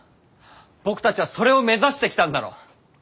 僕たちはそれを目指してきたんだろう？